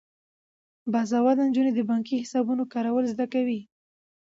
باسواده نجونې د بانکي حسابونو کارول زده کوي.